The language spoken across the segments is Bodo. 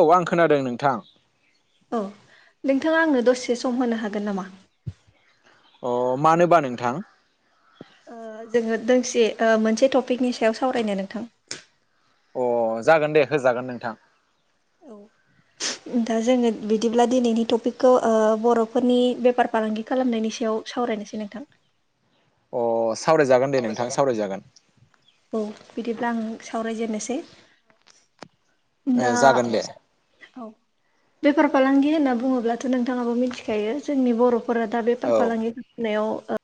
औ आं खोनादों नोंथां। औ नोंथाङा आंनो दसे सम होनो हागोन नामा? अ मानोबा नोंथां? ओ जोङो दोंसे ओ मोनसे टपिकनि सायाव सावरायनो नोंथां। अ जागोन दे होजागोन नोंथां। औ दा जोङो बिदिब्ला दिनैनि टपिकखौ ओ बर'फोरनि बेफार फालांगि खालामनायनि सायाव सावरायनोसै नोंथां। अ सावरायजागोन दे नोंथां सावरायजागोन। औ बिदिब्ला आं सावरायजेननोसै। ओ दा जागोन दे औ बेफार फालांगि होनना बुङोब्लाथ' नोंथाङाबो मिथिखायो जोंनि बर' फोरा दा औ बेफार फालांगि खालामनायाव ओ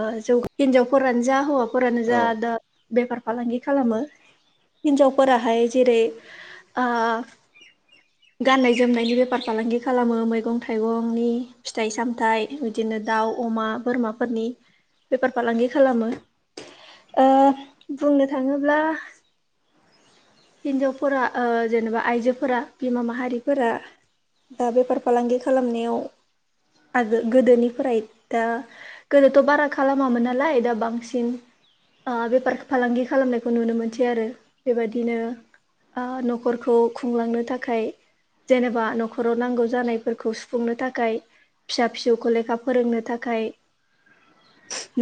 ओ जौ हिनजावफोरानो जा हौवाफोरानो औ जा दा बेफार फालांगि खालामो हिन्जावफोराहाय जेरै ओ गाननाय जोमनायनि बेफार फालांगि खालामो मैगं थाइगंनि। फिथाइ सामथाइ बिदिनो दाउ अमा बोरमाफोरनि बेफार फालांगि खालामो ओ बुंनो थाङोब्ला हिनजावफोरा ओ जेनेबा आइजोफोरा बिमा माहारिफोरा ओ बेफार फालांगि खालामनायाव आगो गोदोनिफ्राय दा थ' बारा खालामामोन नालाय दा बांसिन ओ बेफार फालांगि खालामनायखौ नुनो मोनसै आरो बेबायदिनो ओ न'खरखौ खुंलांनो थाखाय जेनेबा न'खराव नांगौ जानायफोरखौ सुफुंनो थाखाय फिसा फिसौखो लेखा फोरोंनो थाखाय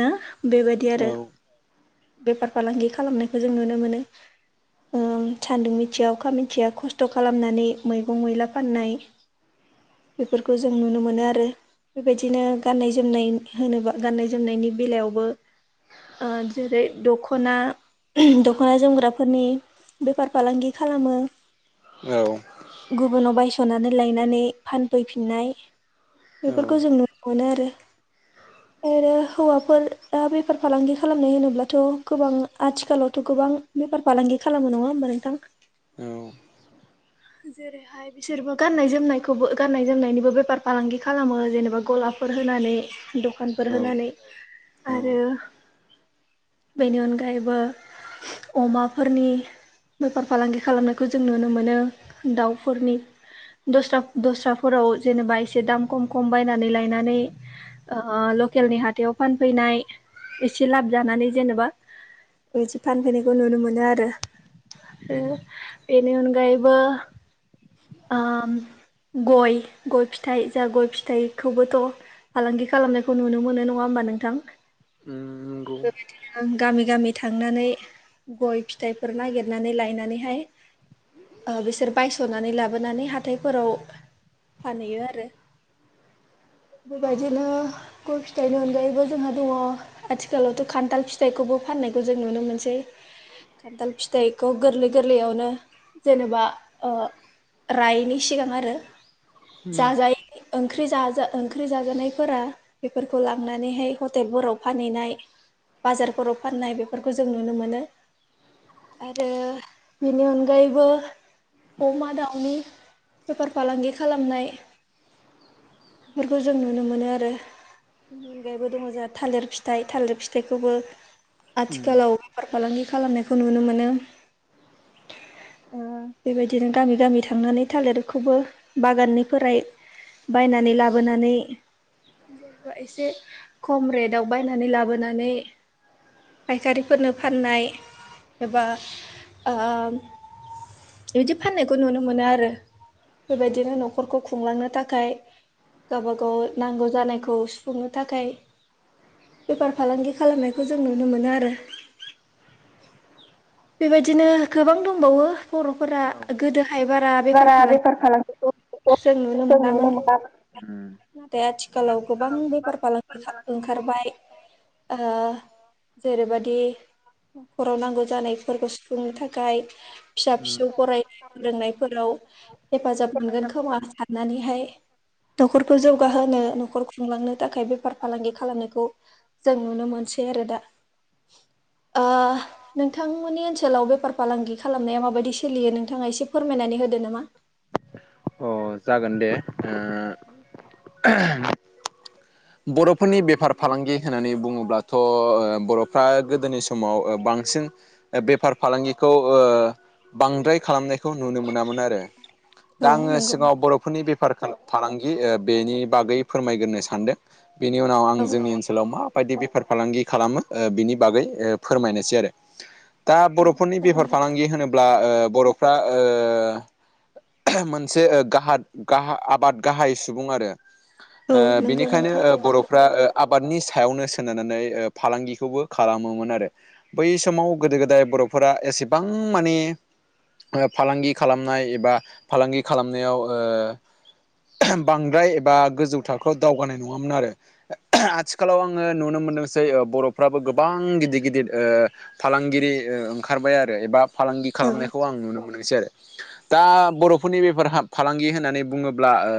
ना बेबायदि आरो औ बेफार फालांगि खालामनायखौ जों नुनो मोनो। ओ सान्दुं मिथिया अखा मिथिया खस्थ' खालामनानै मैगं मैला फाननाय। [inaudible] बेफोरखौ जों नुनो मोनो आरो बेबायदिनो गाननाय जोमनाय होनोबा गाननाय जोमनायनि बेलायावबो ओ जेरै दख'ना [unintelligible] दख'ना जोमग्राफोरनि बेफार फालांगि खालामो। औ। गुबुनाव बायस'नानै लायनानै फानफैफिननाय बेफोरखौ जों नुनो मोनो आरो आरो हौवाफोरा बेफार फालांगि खालामनाय होनोब्लाथ' गोबां आथिखालावथ' गोबां बेफार फालांगि खालामो नङा होमबा नोंथां? औ। जेरै बेहाय बिसोरबो गाननाय जोमनायखौबो गाननाय जोमनायनिबो बेफार फालांगि खालामो जेनेबा गलाफोर होनानै दखानफोर औ होनानै औ आरो बेनि अनगायैबो अमाफोरनि बेफार फालांगि खालामनायखौ जों नुनो मोनो दाउफोरनि दस्रा दस्राफोराव जेनेबा इसे दाम खम खम बायनानै लायनानै ओ लकेलनि हाथायाव फानफैनाय एसे लाब जानानै जेनेबा बिदि फानफैनायखौ नुनो मोनो आरो ओ उम बेनि अनगायैबो ओम गय गय फिथाइ जा गय फिथाइखौबोथ' फालांगि खालामनायखौ नुनो मोनो नङा ओमबा नोंथां नंगौ ओ बिदिनो गामि गामि थांनानै गय फिथाइफोर नागिरनानै लायनानैहाय बिसोर बायस'नानै लाबोनानै हाथायफोराव फानैयो आरो बेफोबायदिनो गय फिथाइनि अनगायैबो जोंहा दङ। आथिखालावथ' खान्थाल फिथाइखौबो फाननायखौ जों नुनो मोनसै। खान्थाल फिथाइखौ गोरलै गोरलैयावनो जेनोबा ओ रायिनि सिगां आरो उम जाजायो ओंख्रि जाजा ओंख्रि जाजानायफोरा बेफोरखौ लांनानैहाय हटेलफोराव फानैनाय। बाजारफोराव फाननाय बेफोरखौ जों नुनो मोनो। आरो बेनि अनगायैबो अमा दाउनि बेफार फालांगि खालामनाय फोरखौ जों नुनो मोनो आरो बेबो दङ जा थालिर फिथाइ थालिर फिथाइखौबो उम आथिखालाव फार फालांगि खालामनायखौ नुनो मोनो ओ बेबायदिनो गामि गामि थांनानै थालिरखौबो बागाननिफोराय बायनानै लाबोनानै जेनेबा एसे खम रेदाव बायनानै लाबोनानै फायखारिफोरनो फाननाय एबा ओम बिदि फाननायखौ नुनो मोनो आरो बेबायदिनो न'खरखौ खुंलांनो थाखाय गावबा गाव नांगौ जानायखौ सुफुंनो थाखाय बेफार फालांगि खालामनायखौ जों नुनो मोनो आरो बेबायदिनो गोबां दंबावो। बर'फोरा औ गोदोहाय बारा बेफार फालांगि [unintelligible] जों नुनो मोनामोन उम नाथाय आथिखालाव गोबां बेफार फालांगि ओंखारबाय ओ जेरैबादि न'खराव नांगौ जानायफोरखौ सुफुंनो थाखाय फिसा उम फिसौ फरायनाय फोरोंनायफोराव हेफाजाब मोनगोन खोमा साननानैहाय न'खरखौ जौगाहोनो न'खर खुंलांनो थाखाय बेफार फालांगि खालामनायखौ जों नुनो मोनसै आरो दा आ नोंथांमोननि ओनसोलाव बेफार फालांगि खालामनाया माबायदि सोलियो नोंथाङा एसे फोरमायनानै होदो नामा? अ जागोन दे बर'फोरनि बेफार फालांगि होननानै बुङोब्लाथ' बर'फ्रा गोदोनि समाव बांसिन बेफार फालांगिखौ बांद्राय खालामनाय खौ नुनो मोनामोन आरो दा औ आङो नंगौ सिगाङाव बर'फोरनि बेफार फालांगि बेनि बागै फोरमायग्रोनो सानदों बेनि उनाव आं औ जोंनि ओनसोलाव मा बायदि बेफार फालांगि खालामो बिनि बागै ओ फोरमायनोसै आरो। दा औ बर'फोरनि बेफार जागोन नोंथां फालांगि होनोब्ला ब्ला ओ बर'फ्रा ओ मोनसे आबाद गाहाय सुबुं आरो औ नंगौ बेनिखायनो नोंथां बर' फ्रा आबादनि सायावनो सोनारनानै फालांगिखौबो खालामोमोन आरो बै समाव गोदो गोदाय बर'फोरा एसेबां माने फालांगि खालामनाय एबा फालांगि खालामनायाव ओ बांद्राय एबा गोजौ थाखोआव दावगानाय नङामोन आरो आथिखालाव आङो नुनो मोनदोंसै बर'फ्राबो गोबां गिदिर गिदिर ओ फालांगिरि ओ ओंखारबाय आरो एबा फालांगि औ खालामनायखौ आं नुनो मोनाखसै आरो दा बर'फोरनि बेफ हाब फालांगि होननानै बुङोब्ला ओ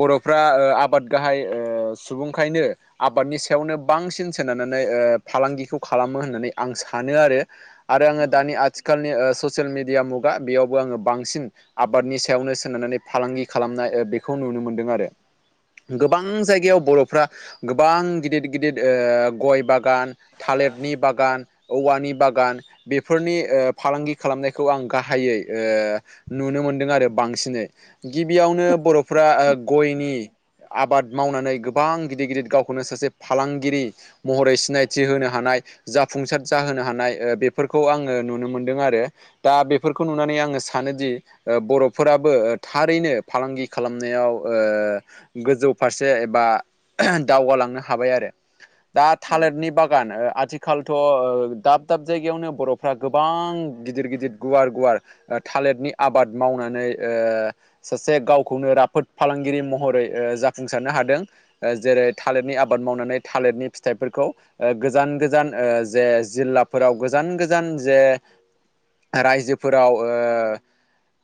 बर'फ्रा ओ आबाद गाहाय ओ सुबुंखायनो आबादनि सायावनो बांसिन सोनारनानै ओ फालांगिखौ खालामो होननानै आं सानो आरो आरो आङो दानि आथिखालनि ओससियेल मिडिया मुगा बेयावबो आङो बांसिन आबादनि सायाव [unintelligible] यावनो सोनारनानै फालांगि खालामनाय ओ बेखौ नुनो मोन्दों आरो गोबां जायगायाव बर'फ्रा गोबां गिदिर गिदिर ओ गय बाग बागान थालिरनि बागान औवानि बागान बेफोरनि ओ फालांगि खालामनायखौ आं गाहायै नुनो मोनदों आरो बांसिनै गिबियावनो बर'फ्रा ओ गयनि आबाद मावनानै गोबां गिदिर गिदिर गावखौनो सासे फालांगिरि महरै सिनायथि होनो हानाय जाफुंसार जाहोनो हानाय ओ बेफोरखौ आङो नुनो मोनदों आरो दा बेफोरखौ नुनानै आङो सानोदि ओ बर' फोराबो थारैनो फालांगि खालामनायाव ओ गोजौ फारसे एबा दावगालांनो हाबाय आरो दा औ थालिरनि बागान ओ आथिखालथ' ओ दाब दाब जायगायावनो बर' फ्रा गोबां गिदिर गिदिर गुवार गुवार ओ थालिरनि आबाद मावनानै ओ सासे गावखौनो राफोद फालांगिरि महरै ओ जाफुंसारनो हादों ओ जेरै थालिरनि आबाद मावनानै थालिरनि फिथाइफोरखौ ओ गोजान गोजान ओ जे जिल्लाफोराव गोजान गोजान जे रायजोफोराव ओ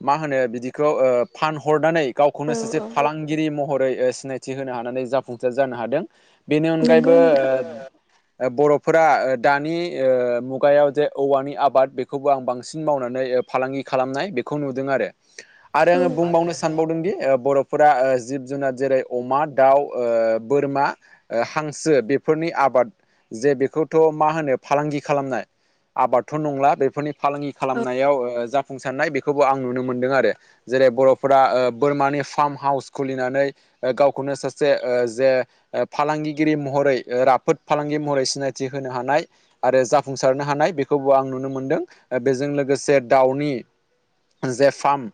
मा होनो बिदिखौ फानहरनानै गावखौनो औ सासे औ फालांगि गिरि महरै ओ सिनायथि होनो हानानै जाफुंसार जानो हादों बेनि नंगौ अनगायैबो ओ नोंथां ओ बर'फोरा दानि ओ मुगायाव जे औवानि आबाद बेखौबो आं बांसिन मावनानै फालांगि खालामनाय बेखौ नुदों आरो आरो आङो औ बुंबावनो सानबावदों दि ओ बर' फोरा ओ जिब जुनार जेरै अमा दाउ ओ बोरमा ओ हांसो बेफोरनि आबाद जे बेखौथ' मा होनो फालांगि खालामनाय आबादथ' नंला बेफोरनि फालांगि खालामनायाव ओ जाफुंसारनाय बेखौबो आं नुनो मोनदों आरो जेरै बर'फोरा ओ बोरमानि फार्म हाउस खुलिनानै ओ गावखौनो सासे ओ जे फालांगिगिरि महरै राफोद फालांगगिरि महरै सिनायथि होनो हानाय। आरो जाफुंसारनो हानाय बेखौबो आं नुनो मोनदों बेजों लोगोसे दाउनि जे फार्म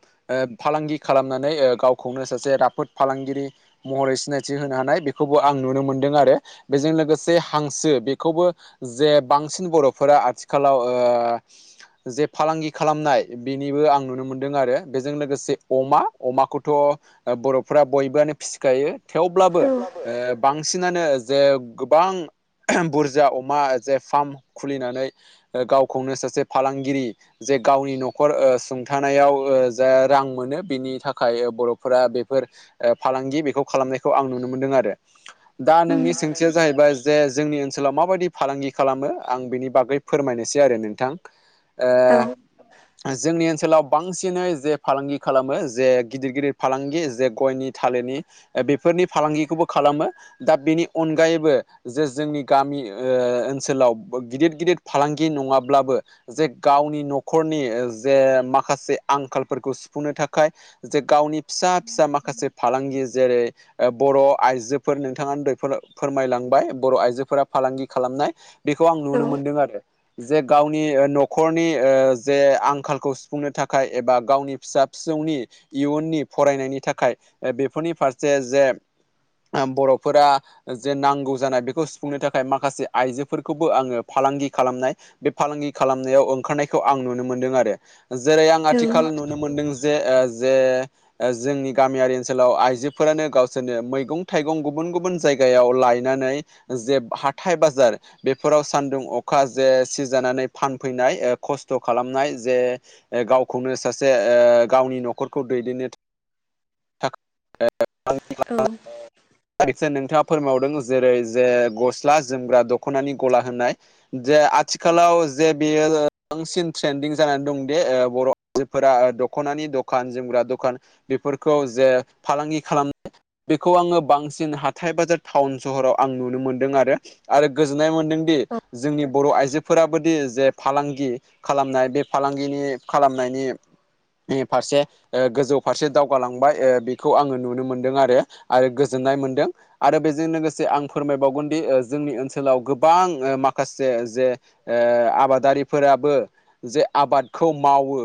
फालांगि ओ खालामनानै गावखौनो सासे राफोद फालांगिरि महरै सिनायथि होनो हानाय बेखौबो आं नुनो मोनदों आरो बेजों लोगोसे हांसो बेखौबो जे बांसिन बर'फोरा आथिखालाव ओ जे फालांगि खालामनाय बि निबो आं नुनो मोनदों आरो बेजों लोगोसे अमा अमाखौथ' ओ बर'फ्रा बयबोआनो फिसिखायो थेवब्लाबो ओ बांसिनानो जे गोबां [unintelligible] बुरजा अमा जे फार्म खुलिनानै ओ गावखौनो सासे फालांगिरि जे गावनि न'खर [unintelligible] ओ सुंथानायाव जा रां मोनो बेनि थाखाय बर'फोरा बे फोर फालांगि बेखौ खालामनायखौ आं नुनो मोनदों आरो दा नोंनि सोंथिया जाहैबाय जे जोंनि ओनसोलाव माबायदि फालांगि खालामो आं बिनि बागै फोरमायनोसै आरो नोंथां ओ नों जोंनि ओनसोलाव बांसिनै जे फालांगि खालामो जे गिदिर गिदिर फालांगि जे गयनि थालिरनि ओ बेफोरनि फालांगिखौबो खालामो दा बेनि अनगायैबो जे जोंनि गामि ओ ओ ओनसोलाव गिदिर गिदिर फालांगि नङाब्लाबो जे गावनि न'खरनि जे माखासे आंखालफोरखौ सुफुंनो थाखाय। जे गावनि फिसा फिसा माखासे फालांगि जेरै ओ बर' आइजोफोर नोंथाङा दोहै फोर-फोरमायलांबाय बर' आइजोफोरा फालांगि खालामनाय बेखौ आं नुनो मोनदों आरो जे गावनि न'खरनि जे आं खालखौ सुफुंनो थाखाय एबा गावनि फिसा फिसौनि इयुननि फरायनायनि थाखाय बेफोरनि फारसे जे बर'फोरा जे नांगौ जानाय बेखौ सुफुंनो थाखाय माखासे आइजोफोरखौबो आङो फालांगि खालामनाय बे फालांगि खालामनायाव ओंखारनायखौ आं नुनो मोनदों आरो जेरै आं आथिखाल नुनो मोनदों जे जे ओ जोंनि गामियारि ओनसोलाव आइजोफोरानो गावसोरनो मैगं थाइगं गुबुन गुबुन जायगायाव लायनानै जे हाथाय बाजार बेफोराव सानदुं अखा जे सिजानानै फानफैनाय खस्थ' ओ खालामनाय जे गावखौनो सासे ओ गावनि न'खरखौ दैदेननो थाखाय [unintelligible] आंनि औ। [unintelligible] नोंथाङा फोरमावदों जेरै जे गस्ला जोमग्रा दख'नानि गला होननाय जे आथिखालाव जे बेयो बांसिन ट्रेन्दिं जानानै दं। बर' आयजोफोरा दख'नानि द खान जोमग्रा दखान बेफोरखौ जे फालांगि खालाम [unintelligible] खौ आङो बांसिन हाथाय बाजार टाउन सहराव आं नुनो मोनदों आरो आरो गोजोननाय मोनदों दोंदि जोंनि बर' आइजोफोराबोदि जे फालांगि खालामनाय बे फालांगि [unintelligible] खालामनायनि फारसे गोजौ फारसे दावगालांबाय बेखौ आङो नुनो मोनदों आरो आरो गोजोननाय मोनदों। आरो बेजों लोगोसे आं फोरमायबावगोन दि ओ जोंनि ओनसोल ओनसोलाव गोबां ओ माखासे जे ओ आबादारिफोराबो जे आबाद खौ मावो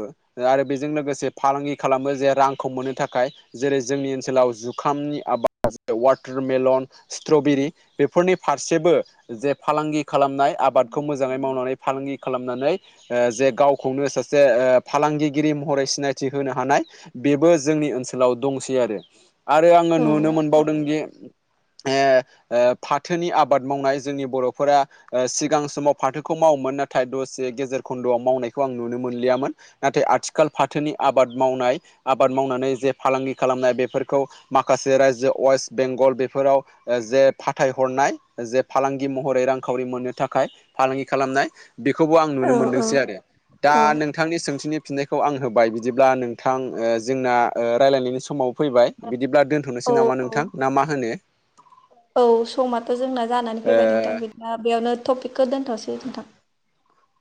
आरो बेजों लोगोसे फालांगि खालामो जे रांखौ मोननो थाखाय जेरै जोंनि ओनसोलाव जुखामनि आबाद वाटारमेलन स्ट्रबेरि बेफोरनि फारसेबो जे फालांगि खालामनाय आबादखौ मोजाङै मावनानै फालांगि खालामनानै जे गावखौनो जे फालागिरि महरै सिनायथि होनो हानाय बेबो जोंनि ओनसोलाव दंसै आरो आरो आङो नुनो मोनबावदोंदि फाथोनि आबाद मावनाय जोंनि बर'फोरा सिगां समाव फाथोखौ मावोमोन नाथाय दसे गेजेर खन्द'आव मावनायखौ आं नुनो मोनलियामोन नाथाय आथिखाल फाथोनि आबाद मावनाय आबाद मावनानै जे फालांगि खालामनाय बेफोरखौ माखासे रायजो वेस्ट बेंगल बेफोराव जे फाथायहरनाय जे फालांगि महरै रांखावरि मोननो थाखाय फालांगि खालामनाय बेखौबो आं नुनो औ मोनदोंसै आरो दा नोंथांनि सोंथिनि फिननायखौ आं होबाय बिदिब्ला नोंथां जोंना रायलायनायनि समाव फैबाय! बिदिब्ला औ दोनथ'नोसै नामा नोंथां ना मा होनो? औ समाथ' जोंना जानानै ओ फैबाय नोंथां बिदि बेयावनो टपिकखौ दोनथ'सै नोंथां।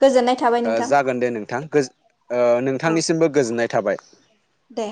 गोजोन्नाय थाबाय। नोंथां जागोन दे नोंथां औ नोंथांनिसिमबो गोजोननाय थाबाय। दे।